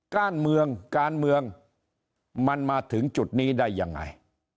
การเมืองการเมืองมันมาถึงจุดนี้ได้ยังไง